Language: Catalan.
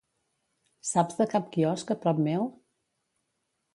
Saps de cap quiosc a prop meu?